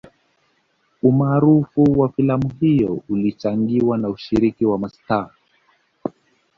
Umaarufu wa filamu hiyo ulichangiwa na ushiriki wa mastaa